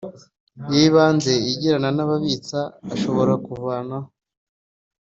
ay ibanze agirana n ababitsa ashobora kuvanaho